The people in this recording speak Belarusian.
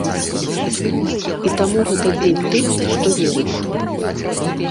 І таму гэта дзень тых, хто верыць.